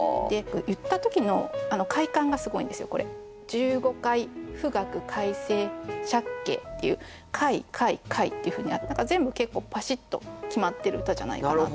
「１５階」「富嶽快晴」「借景」っていう「階」「快」「景」っていうふうに全部結構パシッと決まってる歌じゃないかなと思いました。